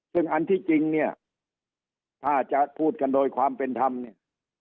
ซึ่งอันที่จริงเนี่ยถ้าจะพูดกันโดยความเป็นธรรมเนี่ย